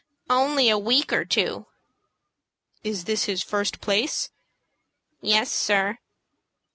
"Only a week or two." "Is this his first place?" "Yes, sir."